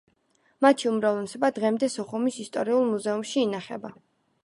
მათი უმრავლესობა დღემდე სოხუმის ისტორიულ მუზეუმში ინახება.